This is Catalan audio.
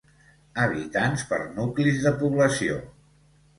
Habitants per nuclis de població.